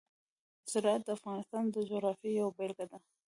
زراعت د افغانستان د جغرافیې یوه بېلګه ده.